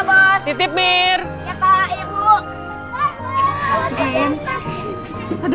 medwisa bidisk bandara